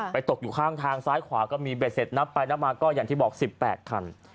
ตกอยู่ข้างทางซ้ายขวาก็มีเบ็ดเสร็จนับไปนับมาก็อย่างที่บอก๑๘คัน